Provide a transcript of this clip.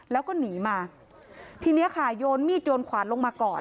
แล้วก็หนีมาทีเนี้ยค่ะโยนมีดโยนขวานลงมาก่อน